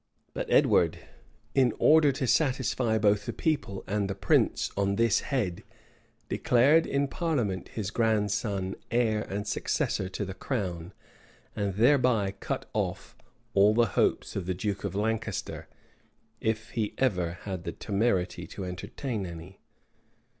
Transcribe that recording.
But Edward, in order to satisfy both the people and the prince on this head, declared in parliament his grandson heir and successor to the crown; and thereby cut off all the hopes of the duke of Lancaster, if he ever had the temerity to entertain any.